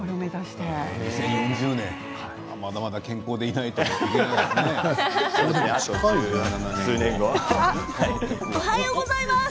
２０４０年まだまだ健康でいたいですね。